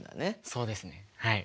そうですねはい。